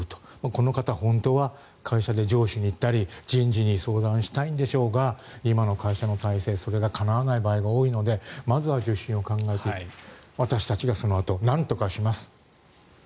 この方、本当は会社で上司に言ったり人事に相談したいんでしょうが今の会社の体制はそれがかなわない場合が多いのでまずは受診を考えて私たちがそのあとなんとかします。